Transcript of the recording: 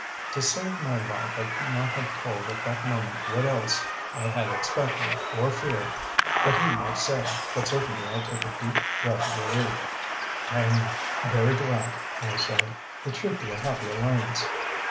To save my life I could not have told at that moment what else I had expected, or feared, that he might say, but certainly I took a deep breath of relief. "I am very glad," I said. "It should be a happy alliance."